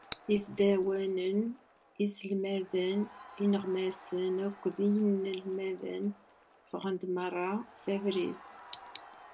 Isdawanen, iselmaden, ineɣmasen akked yinelmaden, ffɣen-d merra s abrid.